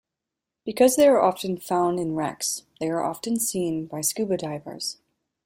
Because they are often found in wrecks, they are often seen by scuba divers.